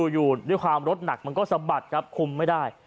อยู่ด้วยความรถหนักมันก็สะบัดครับคุมไม่ได้